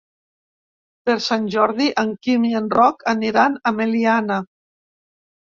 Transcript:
Per Sant Jordi en Quim i en Roc aniran a Meliana.